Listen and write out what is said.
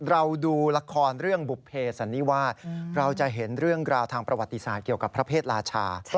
เราดูละครเรื่องบุภเพสันนิวาสเราจะเห็นเรื่องราวทางประวัติศาสตร์เกี่ยวกับพระเพศราชา